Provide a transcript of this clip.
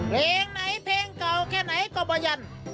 เพลงไหนเพลงเก่าแค่ไหนก็บ่ยัน